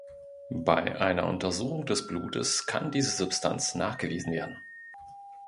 Bei einer Untersuchung des Blutes kann diese Substanz nachgewiesen werden.